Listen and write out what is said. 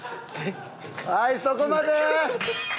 はいそこまで！